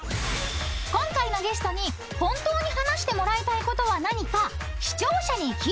［今回のゲストに本当に話してもらいたいことは何か］